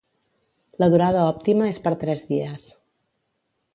La durada òptima és per tres dies.